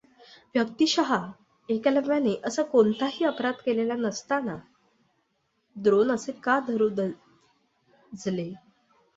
व्यक्तिशः एकलव्याने असा कोणताही अपराध केलेला नसता द्रोण असे का करू धजले?